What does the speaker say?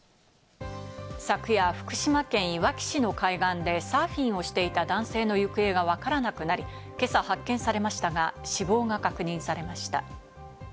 昨夜、福島県いわき市の海岸でサーフィンをしていた男性の行方がわからなくなり、今朝発見されましたが、死亡が確認されました。